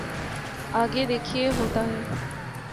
آگے دیکھئے ہوتا ہے۔